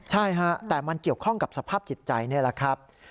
ใช่ฮะแต่มันเกี่ยวข้องกับสภาพจิตใจนี่แหละครับ